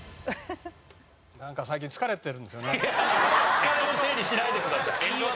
疲れのせいにしないでください。